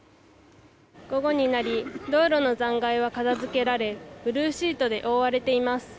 午後になり道路の残骸は片づけられブルーシートで覆われています。